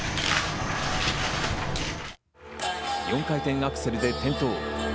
４回転アクセルで転倒。